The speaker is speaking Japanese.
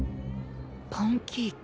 パンケーキ。